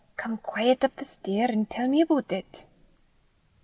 Come quaiet up the stair, an' tell me a' aboot it."